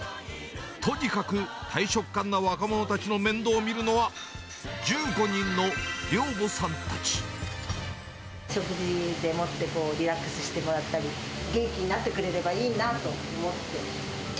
とにかく大食漢な若者たちの面倒を見るのは、１５人の寮母さんた食事でもってこう、リラックスしてもらったり、元気になってくれればいいなと思って。